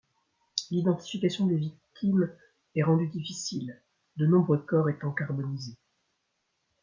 L'identification des victimes est rendue difficile, de nombreux corps étant carbonisés.